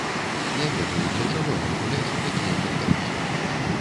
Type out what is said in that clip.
Не ведаю, для чаго нам гуляць у такія паддаўкі.